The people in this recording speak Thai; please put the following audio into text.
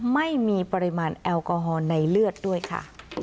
ไม่มีปริมาณแอลกอฮอลในเลือดด้วยค่ะ